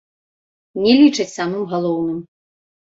Не лічаць самым галоўным.